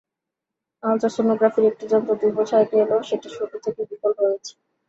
আলট্রাসনোগ্রাফির একটি যন্ত্র দুই বছর আগে এলেও সেটা শুরু থেকেই বিকল রয়েছে।